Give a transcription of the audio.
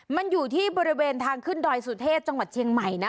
มันอยู่ที่บริเวณทางขึ้นดอยสุเทพจังหวัดเชียงใหม่นะ